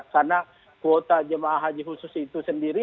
karena kuota jemaah haji khusus itu sendiri